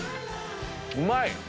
うまい！